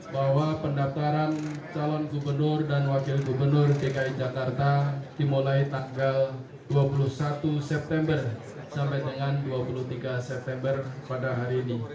bahwa pendaftaran calon gubernur dan wakil gubernur dki jakarta dimulai tanggal dua puluh satu september sampai dengan dua puluh tiga september pada hari ini